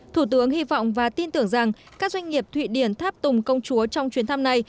thủ tướng hy vọng và tin tưởng rằng các doanh nghiệp thụy điển tháp tùng công chúa trong chuyến thăm này